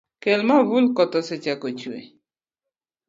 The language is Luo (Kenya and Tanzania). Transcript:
Kel mavul koth osechako chue.